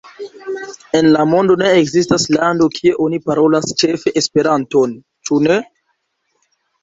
En la mondo ne ekzistas lando, kie oni parolas ĉefe Esperanton, ĉu ne?